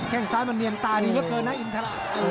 แข้งซ้ายมันเนียนตาดีกว่าเกินนะอินทราชัย